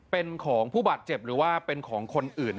เป็นของผู้บาดเจ็บหรือว่าเป็นของคนอื่น